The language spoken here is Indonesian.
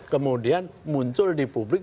kemudian muncul di publik